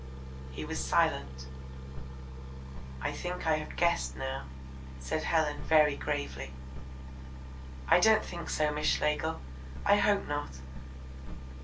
He was silent. "I think I have guessed now," said Helen very gravely. "I don't think so, Miss Schlegel; I hope not."